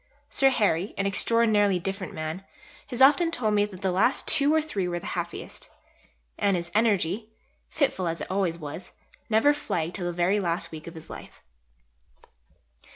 Sir Harry, an extraordinarily different man, has often told me that the last two or three were the happiest. And his energy, fitful as it always was, never flagged till the very last week of his life.